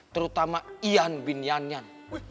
terutama ian bin yanyan